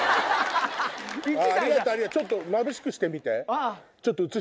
ちょっとまぶしくしてみて。